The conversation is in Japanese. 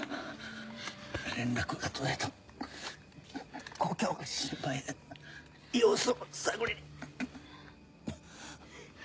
連絡が途絶えた故郷が心配で様子を探りに。